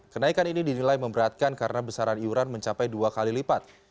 kenaikan ini dinilai memberatkan karena besaran iuran mencapai dua kali lipat